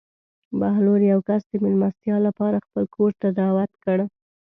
بهلول یو کس د مېلمستیا لپاره خپل کور ته دعوت کړ.